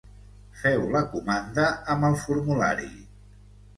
Feu la comanda amb el formulari.